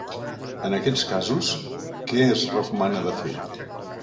En aquests casos, què es recomana de fer?